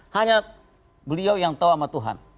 hanya beliau yang tahu sama tuhan